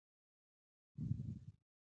په مالي چارو کې مشوره وکړئ.